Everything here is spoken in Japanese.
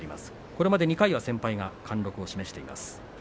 これまで２回は先輩の貫禄を示しています。